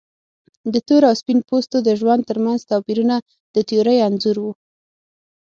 د تور او سپین پوستو د ژوند ترمنځ توپیرونه د تیورۍ انځور و.